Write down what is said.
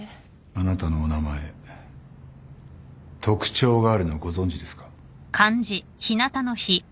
あなたのお名前特徴があるのご存じですか？